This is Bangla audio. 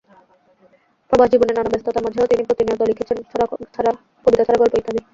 প্রবাসজীবনের নানা ব্যস্ততার মাঝেও তিনি প্রতিনিয়ত লিখছেন কবিতা ছড়া গল্প ইত্যাদি।